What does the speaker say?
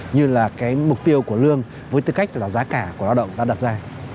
như là cái mục tiêu của lương với tư cách là giá cả của lao động đã đặt ra